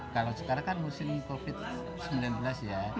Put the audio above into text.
kalau sekarang kan musim covid sembilan belas ya